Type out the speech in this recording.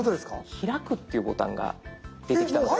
「開く」っていうボタンが出てきたと。